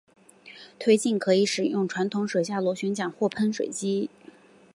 推进可以使用传统水下螺旋桨或喷水机。